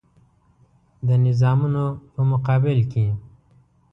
د نظامونو په مقابل کې.